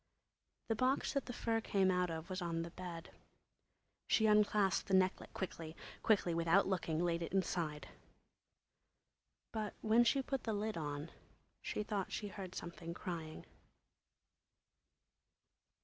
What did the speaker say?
The box that the fur came out of was on the bed. She unclasped the necklet quickly; quickly, without looking, laid it inside. But when she put the lid on she thought she heard something crying.